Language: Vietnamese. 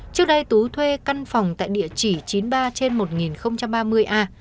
trước đây tú thuê căn phòng tại địa chỉ chín mươi ba trên một nghìn ba mươi a